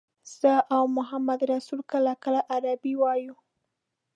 زه او محمدرسول کله کله عربي وایو.